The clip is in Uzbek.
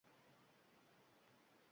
O’yi ado bo’lmaydi.